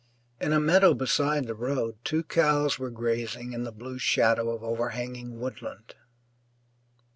In a meadow beside the road two cows were grazing in the blue shadow of overhanging woodland.